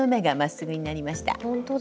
ほんとだ。